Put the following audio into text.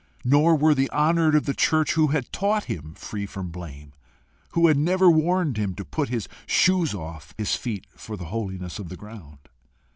Nor were the honoured of the church who had taught him free from blame, who never warned him to put his shoes from off his feet for the holiness of the ground.